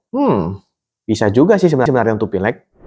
hmm bisa juga sih sebenarnya untuk pileg